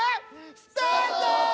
スタート！